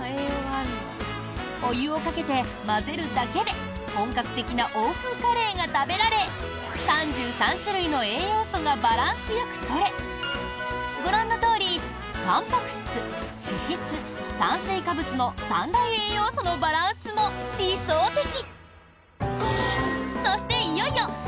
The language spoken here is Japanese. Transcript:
お湯をかけて混ぜるだけで本格的な欧風カレーが食べられ３３種類の栄養素がバランスよく取れご覧のとおりたんぱく質、脂質、炭水化物の三大栄養素のバランスも理想的。